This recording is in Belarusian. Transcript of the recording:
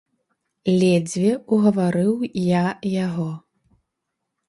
Ледзьве угаварыў я яго.